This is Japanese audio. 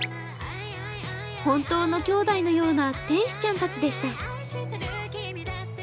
本当のきょうだいのような天使ちゃんたちでした。